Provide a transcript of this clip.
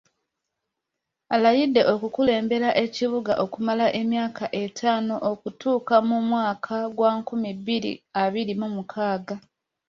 Alayidde okukulembera ekibuga okumala emyaka ettaano okutuuka mu mwaka gwa nkumi bbiri abiri mu mukaaga.